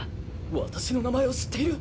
私の名前を知っている？